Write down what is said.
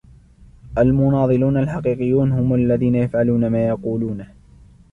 المناضلون الحقيقيون هم الذين يفعلون ما يقولونه.